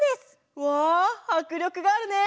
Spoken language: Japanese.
うわはくりょくがあるね！